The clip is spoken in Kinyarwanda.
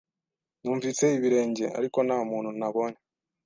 Numvise ibirenge, ariko nta muntu nabonye.